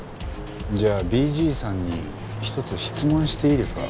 じゃあＢＧさんに一つ質問していいですか？